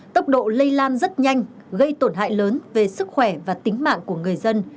tốc độ lây lan rất nhanh gây tổn hại lớn về sức khỏe và tính mạng của người dân